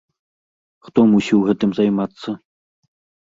Хто мусіў гэтым займацца?